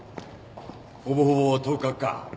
ほぼほぼ当確か。